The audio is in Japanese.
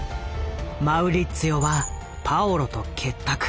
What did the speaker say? マウリッツィオはパオロと結託。